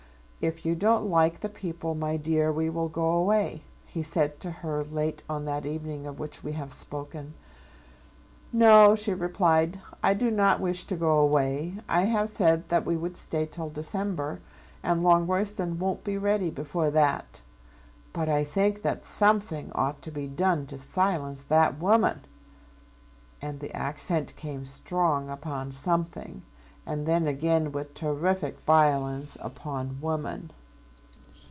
"If you don't like the people, my dear, we will go away," he said to her late on that evening of which we have spoken. "No," she replied, "I do not wish to go away. I have said that we would stay till December, and Longroyston won't be ready before that. But I think that something ought to be done to silence that woman." And the accent came strong upon "something," and then again with terrific violence upon "woman."